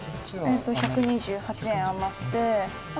えっと１２８円余って。